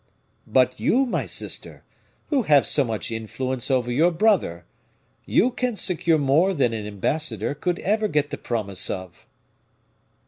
"But you, my sister, who have so much influence over your brother, you can secure more than an ambassador could ever get the promise of."